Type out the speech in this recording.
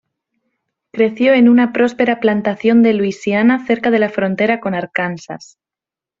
Creció en una próspera plantación de Luisiana cerca de la frontera con Arkansas.